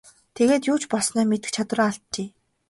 Тэгээд юу ч болсноо мэдэх чадвараа алджээ.